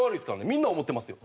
みんな思ってますよ。